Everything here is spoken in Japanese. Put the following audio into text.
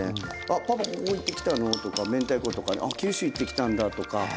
「あっパパここ行ってきたの」とかめんたいことか「あっ九州行ってきたんだ」とか。